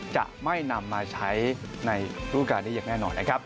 จะไม่นำมาใช้ในรูปการณ์นี้อย่างแน่นอนนะครับ